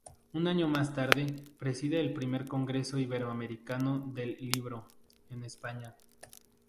Un año más tarde preside el Primer Congreso Iberoamericano del Libro, en España.